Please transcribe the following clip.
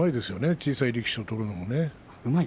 小さい力士と取るのもね。